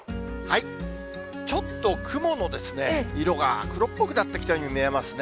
ちょっと雲の色が黒っぽくなってきたように見えますね。